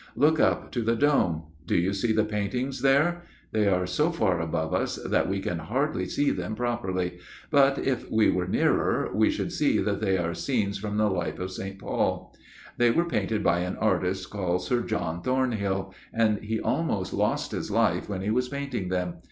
Look up to the Dome. Do you see the paintings there? They are so far above us that we can hardly see them properly; but if we were nearer we should see that they are scenes from the life of St. Paul. They were painted by an artist called Sir John Thornhill, and he almost lost his life when he was painting them.